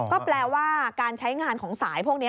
ก็แปลว่าการใช้งานของสายพวกนี้